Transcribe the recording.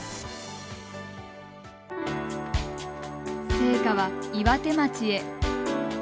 聖火は、岩手町へ。